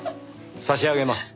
差し上げます。